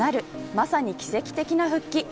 まさに奇跡的な復帰。